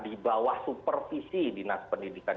di bawah supervisi dinas pendidikan